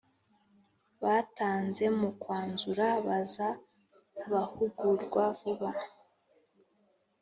batanze Mu kwanzura baza abahugurwa vuba